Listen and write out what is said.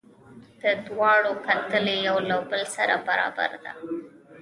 د دواړو کتلې یو له بل سره برابره ده.